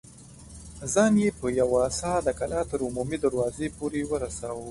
ځان يې په يوه سا د کلا تر عمومي دروازې پورې ورساوه.